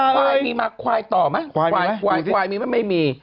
แล้วควายมีหมาควายต่อไหมควายมีไหมไม่มี